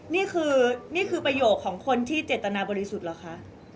นี่คือนี่คือประโยคของคนที่เจตนาบริสุทธิ์เหรอคะ